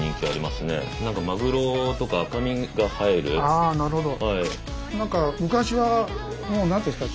あなるほど。